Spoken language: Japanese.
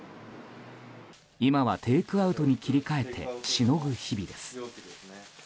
今はテイクアウトに切り替えてしのぐ日々です。